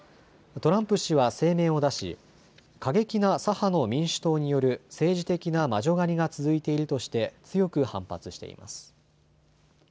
トランプ氏は声明を出し、過激な左派の民主党による政治的な魔女狩りが続いているとして強く反発しています。